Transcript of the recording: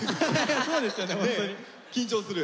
そうですよねホントに。緊張する？